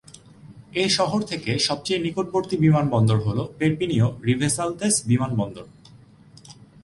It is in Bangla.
এই শহর থেকে সবচেয়ে নিকটবর্তী বিমানবন্দর হল পের্পিনিয়ঁ-রিভেসালতেস বিমানবন্দর।